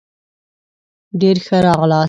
ډېر ښه راغلاست